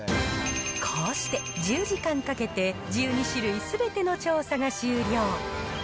こうして１０時間かけて１２種類すべての調査が終了。